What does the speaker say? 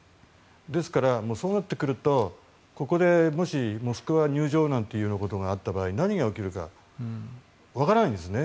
ですから、そうなってくるとここでもしモスクワ入城なんてことがあった場合分からないんですね。